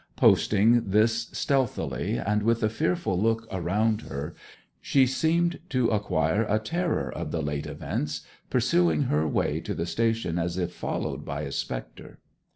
Posting this stealthily, and with a fearful look around her, she seemed to acquire a terror of the late events, pursuing her way to the station as if followed by a spectre.